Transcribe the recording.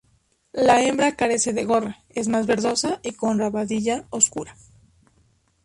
La hembra carece de gorra, es más verdosa y con rabadilla oscura.